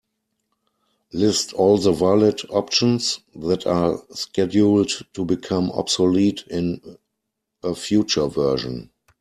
List all the valid options that are scheduled to become obsolete in a future version.